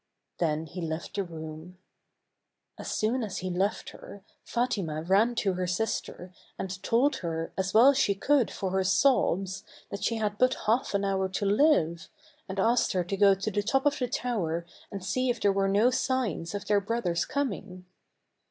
Then he left the room. As soon as he left her, Fatima ran to her sister, and told her, as well as she could for her sobs, that she had but half an hour to live, and asked her to go to the top of the tower and see if there were no signs of their brothers' coming.